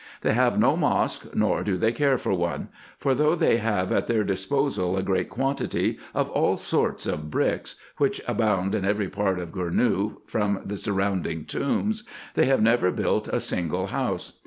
They have no mosque, nor do they care for one ; for though they have at their disposal a great quantity of all sorts of bricks, which abound in every part of Gournou, from the sur rounding tombs, they have never built a single house.